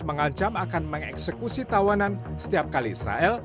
mengancam akan mengeksekusi tawanan setiap kali israel